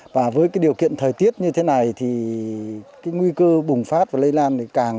và với điều kiện thời tiết như thế này nguy cơ bùng phát và lây lan